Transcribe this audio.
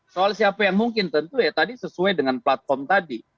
soal siapa yang mungkin tentu ya tadi sesuai dengan platform tadi